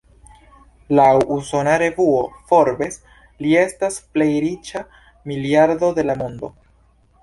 Laŭ usona revuo "Forbes", li estas plej riĉa miliardo de la mondo.